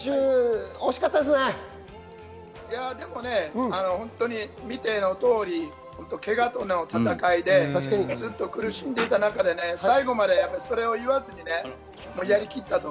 でもね、見ての通り、けがとの戦いでずっと苦しんできた中で最後までそれを言わずにやりきったと。